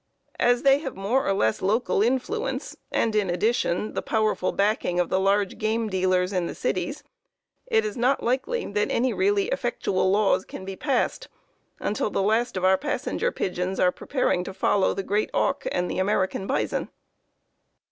As they have more or less local influence, and, in addition, the powerful backing of the large game dealers in the cities, it is not likely that any really effectual laws can be passed until the last of our Passenger Pigeons are preparing to follow the great auk and the American bison."